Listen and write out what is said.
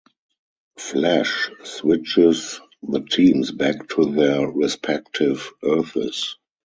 Flash switches the teams back to their respective Earths.